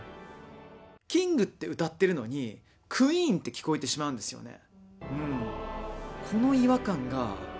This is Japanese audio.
キングって歌ってるのに、クイーンって聞こえてしまうんですよね。